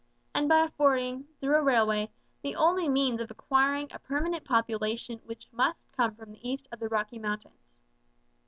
and by affording, through a railway, the only means of acquiring a permanent population which must come from the east of the Rocky Mountains.